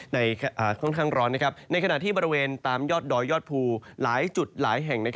ค่อนข้างร้อนในขณะที่บริเวณตามยอดดอยยอดภูหลายจุดหลายแห่ง